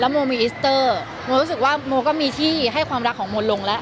โมมีอิสเตอร์โมรู้สึกว่าโมก็มีที่ให้ความรักของโมลงแล้ว